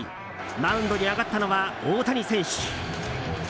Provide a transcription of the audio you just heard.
マウンドに上がったのは大谷選手。